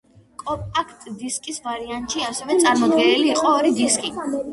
კომპაქტ-დისკის ვარიანტში ასევე წარმოდგენილი იყო ორი დისკი.